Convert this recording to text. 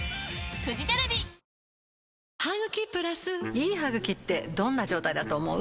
いい歯ぐきってどんな状態だと思う？